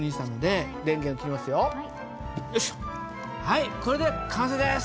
はいこれで完成です！